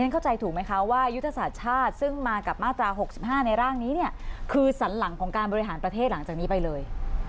เข้าใจถูกไหมคะว่ายุทธศาสตร์ชาติซึ่งมากับมาตรา๖๕ในร่างนี้เนี่ยคือสันหลังของการบริหารประเทศหลังจากนี้ไปเลย